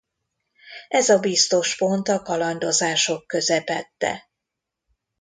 Ez a biztos pont a kalandozások közepette.